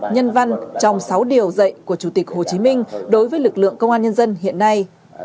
nhân văn trong sáu điều dạy của chủ tịch hồ chí minh đối với lực lượng công an nhân dân hiện nay